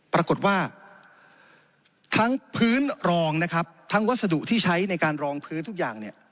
ปรากฏว่าทั้งพื้นรองนะครับทั้งวัสดุที่ใช้ในการรองพื้นทุกอย่างเนี่ย